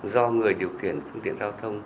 do người điều khiển phương tiện giao thông